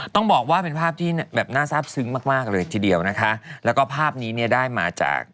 ต้องบอกว่าเป็นภาพที่แบบน่าทราบซึ้งมากมากเลยทีเดียวนะคะแล้วก็ภาพนี้เนี่ยได้มาจาก